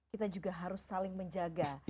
kita juga harus saling menjaga